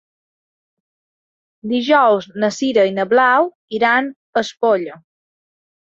Dijous na Sira i na Blau iran a Espolla.